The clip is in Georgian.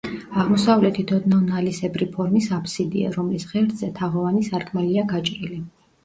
აღმოსავლეთით ოდნავ ნალისებრი ფორმის აბსიდია, რომლის ღერძზე, თაღოვანი სარკმელია გაჭრილი.